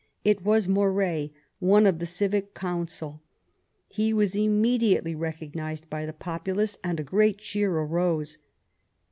It was Moret, one of the Civic Council. He was immediately recognised by the populace, and a great cheer arose.